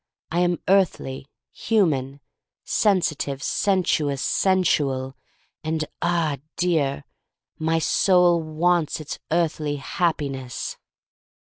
I am earthly, human — sensitive, sensuous, sensual, and, ah, dear, my soul wants its earthly Happi ness!